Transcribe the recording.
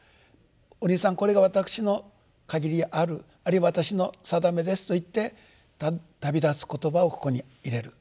お兄さんこれが私の限りあるあるいは私の定めです」と言って旅立つ言葉をここに入れる。